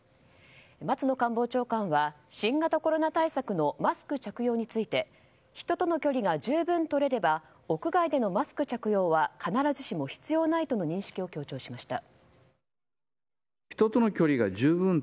松野官房長官は新型コロナ対策のマスク着用について人との距離が十分取れれば屋外でもマスク着用は必ずしも必要ないとの認識を強調しました。